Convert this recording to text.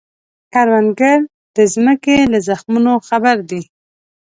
کروندګر د ځمکې له زخمونو خبر دی